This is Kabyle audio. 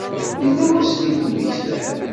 Yella wasmi i d-temmektam?